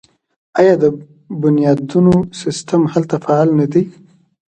آیا د بنیادونو سیستم هلته فعال نه دی؟